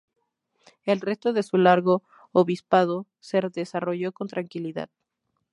El resto de su largo obispado se desarrolló con tranquilidad.